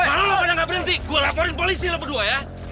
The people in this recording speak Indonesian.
mana lo gak berhenti gue laporin polisi lo berdua ya